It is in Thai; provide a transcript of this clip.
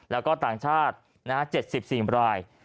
แล้วก็ต่างชาติ๗๔ราย